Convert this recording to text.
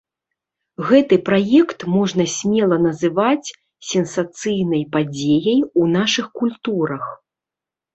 Гэты праект можна смела называць сенсацыйнай падзеяй у нашых культурах.